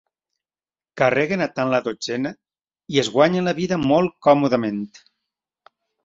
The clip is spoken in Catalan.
Carreguen a tant la dotzena, i es guanyen la vida molt còmodament.